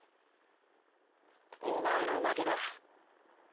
お前の負けだ。